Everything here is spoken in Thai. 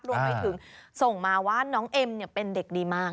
รวมไปถึงส่งมาว่าน้องเอ็มเป็นเด็กดีมาก